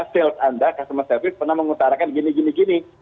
sales anda customer service pernah mengutarakan gini gini